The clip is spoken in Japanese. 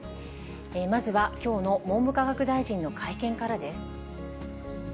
まずはきょうの文部科学大臣の会見からです。